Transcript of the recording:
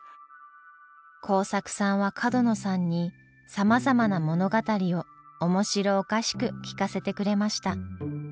孝作さんは角野さんにさまざまな物語を面白おかしく聞かせてくれました。